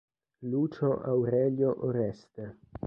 Lucio Aurelio Oreste